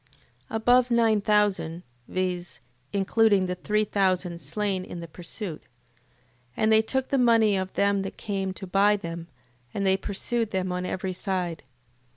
Above nine thousand... Viz., including the three thousand slain in the pursuit. 8:25. And they took the money of them that came to buy them, and they pursued them on every side.